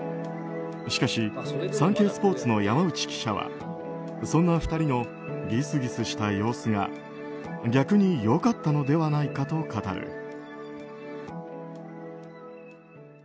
しかし、サンケイスポーツの山内記者はそんな２人のぎすぎすした様子が逆に良かったのではないかと語る。